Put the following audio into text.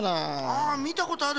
ああみたことある。